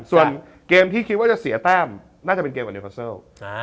ส่วนเกมที่คิดว่าจะเสียแต้มน่าจะเป็นเกมกับเนพอเซิล